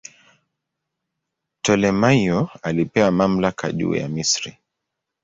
Ptolemaio alipewa mamlaka juu ya Misri.